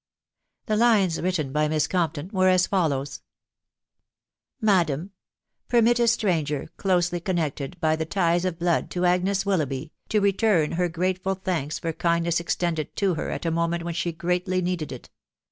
The lines written by Miss Compton were as follow: •<: Madam, <c Permit a stranger, closely connected by ttie ties of blood to Agnes Willoughby, to return her grateful thanks for kind ness extended to her at a moment when she greatly needed it.